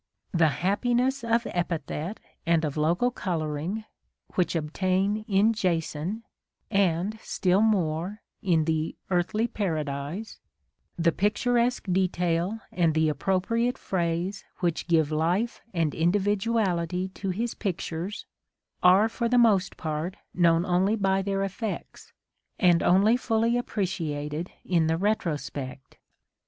"The happiness of epithet and of local colouring" which obtain in Jason, and, still more, in the Earthly Paradise ^ *'the pictu resque detail and the appropriate phrase which give life and individuality to his pictures, are for the most part known only by their effects, and only fully appreciated in the retrospect."